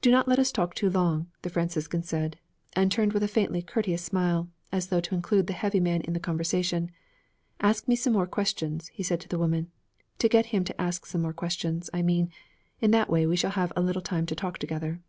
'Do not let us talk too long,' the Franciscan said, and turned with a faintly courteous smile, as though to include the heavy man in the conversation. 'Ask me some more questions,' he said to the woman; 'get him to ask some more questions, I mean. In that way we shall have a little time to talk together.'